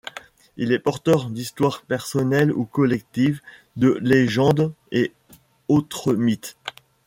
Il est porteur d’histoires personnelles ou collectives, de légendes et autres mythes, …